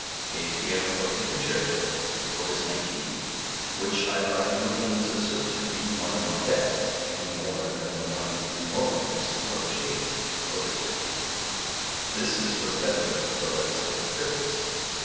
A pianoforte Concerto [Op. 19], which I by no means assert to be one of my best, any more than the one Mollo is to publish here [Op. 15], (this is for the benefit of the Leipzig critics!)